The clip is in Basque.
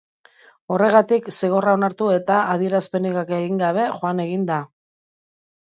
Horregatik, zigorra onartu eta adierazpenik egin gabe, joan egin da.